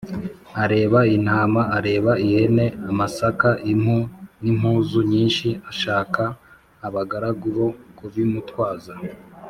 arebaintama, areba ihene, amasaka, impu n' impuzu nyinshi, ashaka abagaragu bo kubimutwaza